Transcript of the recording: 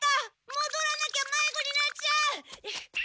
もどらなきゃまいごになっちゃう！